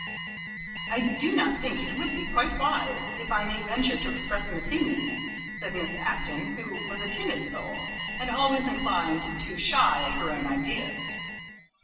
"I do not think it would be quite wise, if I may venture to express an opinion," said Miss Acton, who was a timid soul, and always inclined to shy at her own ideas.